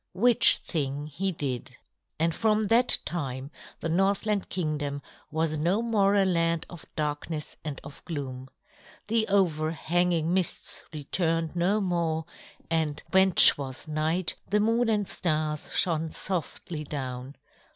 Which thing he did. And from that time the Northland Kingdom was no more a land of darkness and of gloom. The overhanging mists returned no more, and when 't was night, the Moon and Stars shone softly down.